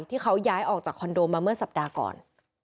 ที่เขาย้ายออกจากคอนโดมาเมื่อสัปดาห์ก่อน